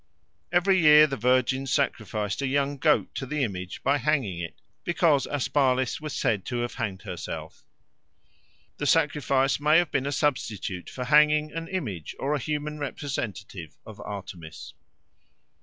Every year the virgins sacrificed a young goat to the image by hanging it, because Aspalis was said to have hanged herself. The sacrifice may have been a substitute for hanging an image or a human representative of Artemis.